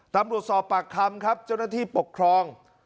ตำรวจสอบปากคำครับเจ้าหน้าที่ปกครอง